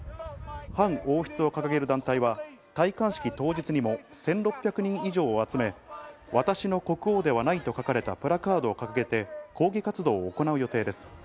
反王室を掲げる団体は戴冠式当日にも１６００人以上集め、「私の国王ではない」と書かれたプラカードを掲げて、抗議活動を行う予定です。